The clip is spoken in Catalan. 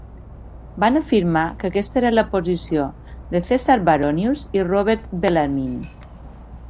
Van afirmar que aquesta era la posició de Caesar Baronius i Robert Bellarmine.